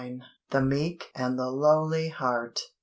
THE MEEK AND LOWLY HEART.